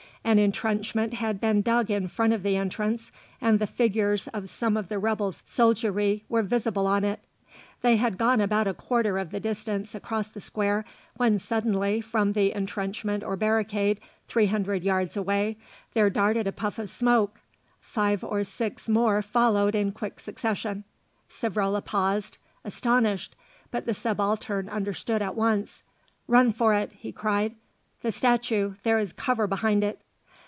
An entrenchment had been dug in front of the entrance, and the figures of some of the rebel soldiery were visible on it. They had gone about a quarter of the distance across the square, when suddenly, from the entrenchment or barricade three hundred yards away, there darted a puff of smoke; five or six more followed in quick succession. Savrola paused, astonished, but the Subaltern understood at once. "Run for it!" he cried. "The statue, there is cover behind it."